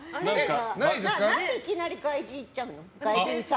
何でいきなり外人さんにいっちゃうの？